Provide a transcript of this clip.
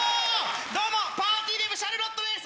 どうもパーティーデブシャルロットです